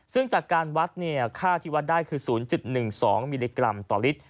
ซึ่งจากการวัดค่าที่วัดได้คือ๐๑๒มิลลิกรัมต่อลิตร